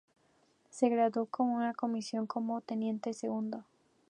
Se graduó con una comisión como teniente segundo.